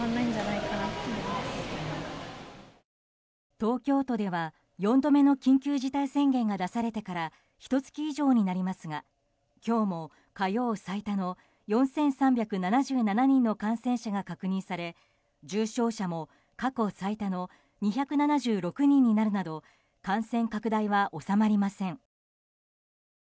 東京都では、４度目の緊急事態宣言が出されてからひと月以上になりますが今日も火曜最多の４３７７人の感染者が確認され重症者も過去最多の２７６人になるなど感染拡大は収まりません。